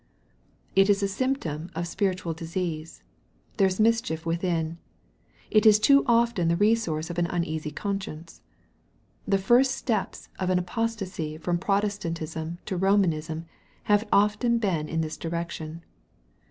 It is a symptom of spiritual disease. There is mischief within. It is too often the resource of an uneasy conscience. The first steps of apostacy from Protestantism to Eomanism have often been in this direction.